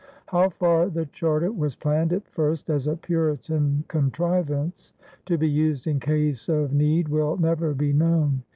How far the charter was planned at first as a Puritan contrivance to be used in case of need will never be known.